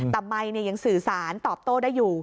ทำไมเนี่ยยังสื่อสารตอบโต้ได้อยู่